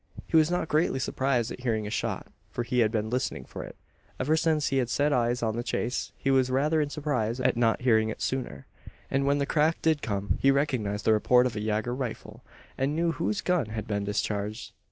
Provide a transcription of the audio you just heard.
He was not greatly surprised at hearing a shot: for he had been listening for it, ever since he had set eyes on the chase. He was rather in surprise at not hearing it sooner; and when the crack did come, he recognised the report of a yager rifle, and knew whose gun had been discharged.